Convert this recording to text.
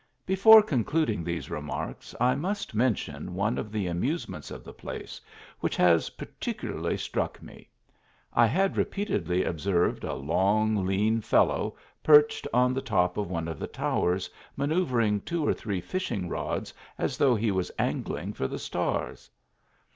Before concluding these remarks I must mention one of the amusements of the place which has par ticularly struck me. I had repeatedly observed a long; lean fellow perched on the top of one of the tov <*rs manoeuvring two or three fishing rods, as though he was angling for the stars.